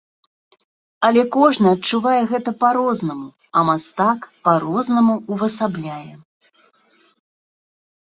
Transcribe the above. Але кожны адчувае гэта па-рознаму, а мастак па-рознаму ўвасабляе.